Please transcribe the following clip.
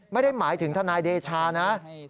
ไม่ได้หมายถึงทนายเดชานะ